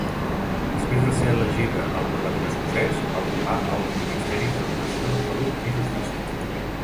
Després de ser elegida al Parlament Escocès, va ocupar els ministeris d'Educació, Salut i Justícia.